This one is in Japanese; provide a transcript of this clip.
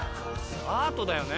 アートだよね。